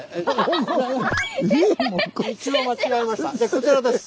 こちらです。